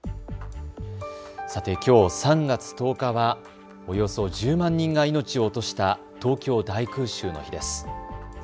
さて、きょう３月１０日はおよそ１０万人が命を落とした東京大空襲の日です。